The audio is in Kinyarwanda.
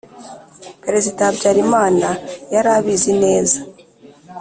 perezida habyarimana yari abizi neza,